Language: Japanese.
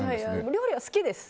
料理は好きです。